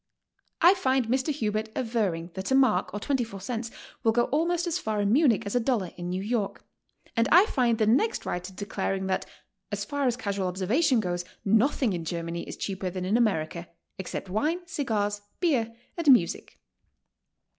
I find Mr. Hubert averring that a mark, or 24 cents, will go almost as far in Munich as a dollar in New York, and I find the next writer declaring that "as far as casual observation goes, nothing in Germany is cheaper than in America, except w»ine, cigars, beer and music."